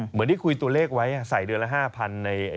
เหมือนที่คุยตัวเลขไว้ใส่เดือนละ๕๐๐